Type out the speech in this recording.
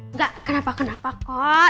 enggak kenapa kenapa kok